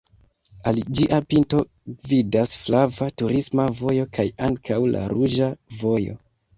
Al ĝia pinto gvidas flava turisma vojo kaj ankaŭ la ruĝa vojo.